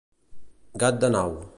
Gat de nau.